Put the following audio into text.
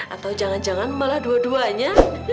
atau jangan jangan malah dua duanya